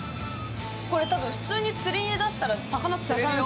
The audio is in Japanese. これ多分普通に釣りに出したら魚釣れるよ。